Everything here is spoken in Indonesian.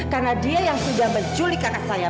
karena dia yang sudah menculik kakak saya